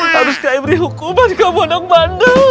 harus saya beri hukuman ke anak bandel